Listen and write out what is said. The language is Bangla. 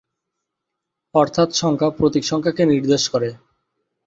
অর্থাৎ সংখ্যা প্রতীক সংখ্যাকে নির্দেশ করে।